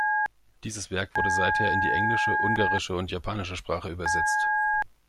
Dieses Werk wurde seither in die englische, ungarische und japanische Sprache übersetzt.